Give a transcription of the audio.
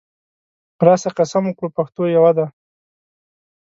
راسه قسم وکړو پښتو یوه ده